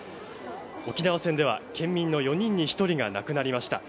沖縄戦では県民の４人に１人が亡くなりました。